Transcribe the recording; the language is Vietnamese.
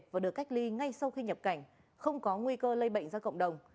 và được cách ly ngay sau khi nhập cảnh không có nguy cơ lây bệnh ra cộng đồng